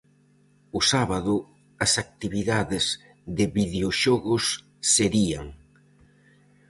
O sábado as actividades de videoxogos serían: